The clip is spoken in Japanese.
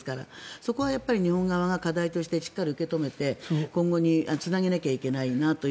そこは日本側が課題としてしっかり受け止めて今後につなげなきゃいけないなと。